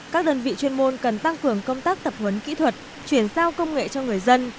các đơn vị chuyên môn cần tăng cường công tác tập huấn kỹ thuật chuyển giao công nghệ cho người dân